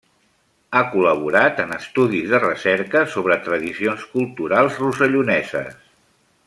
Ha col·laborat en estudis de recerca sobre tradicions culturals rosselloneses.